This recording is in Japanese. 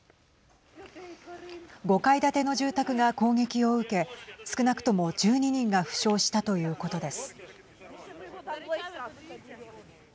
５階建ての住宅が攻撃を受け少なくとも１２人が負傷したということです。